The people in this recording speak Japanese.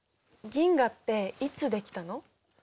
銀河っていつ出来たの？